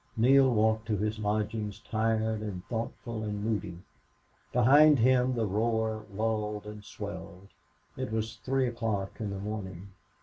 Neale walked to his lodgings tired and thoughtful and moody. Behind him the roar lulled and swelled. It was three o'clock in the morning.